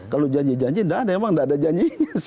kalau janji janji memang tidak ada janji